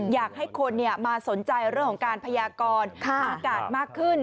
อยากให้คนมาสนใจเรื่องของการพยากรอากาศมากขึ้น